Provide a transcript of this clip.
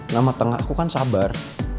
nama tengah aku kan sabar